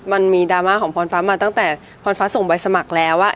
มันมีดราม่าของพรฟ้ามาตั้งแต่พรฟ้าส่งใบสมัครแล้ว